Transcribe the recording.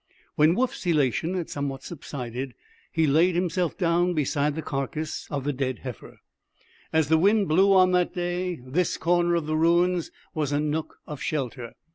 When Woof's elation had somewhat subsided, he laid himself down beside the carcass of the dead heifer. As the wind blew on that day, this corner of the ruins was a nook of shelter.